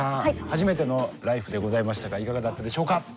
初めての「ＬＩＦＥ！」でございましたがいかがだったでしょうか？